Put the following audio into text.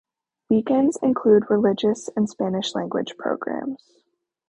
Weekends include religious and Spanish-language programs.